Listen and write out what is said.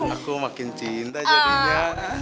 aku makin cinta jadinya